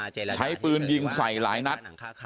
ใช้ปืนยิงใส่หลายนัด